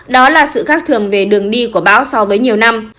đó là sự khác thường về đường đi của bão so với nhiều năm